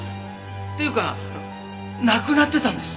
っていうかなくなってたんです。